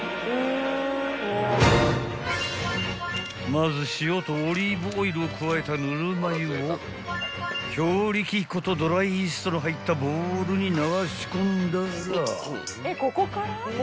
［まず塩とオリーブオイルを加えたぬるま湯を強力粉とドライイーストの入ったボウルに流し込んだら］